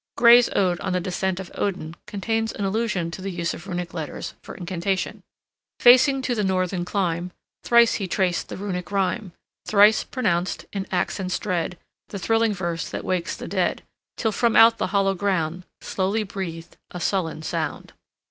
Gray's ode on the "Descent of Odin" contains an allusion to the use of Runic letters for incantation: "Facing to the northern clime, Thrice he traced the Runic rhyme; Thrice pronounced, in accents dread, The thrilling verse that wakes the dead, Till from out the hollow ground Slowly breathed a sullen sound."